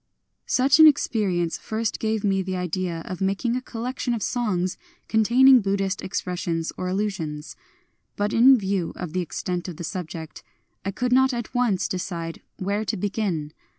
Such an experience first gave me the idea of making a collection of songs containing Buddhist expressions or allusions. But in view of the extent of the subject I could not at once decide where to begin.